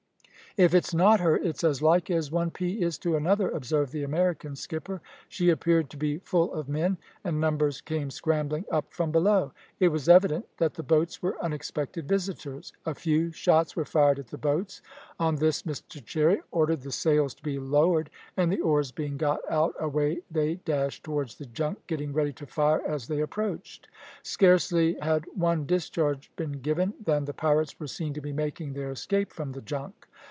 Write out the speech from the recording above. "If it's not her, it's as like as one pea is to another," observed the American skipper. She appeared to be full of men, and numbers came scrambling up from below. It was evident that the boats were unexpected visitors. A few shots were fired at the boats. On this Mr Cherry ordered the sails to be lowered, and the oars being got out, away they dashed towards the junk, getting ready to fire as they approached. Scarcely had one discharge been given, than the pirates were seen to be making their escape from the junk.